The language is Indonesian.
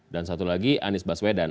dan satu lagi anies baswedan